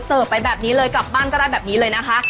ไปแบบนี้เลยกลับบ้านก็ได้แบบนี้เลยนะคะ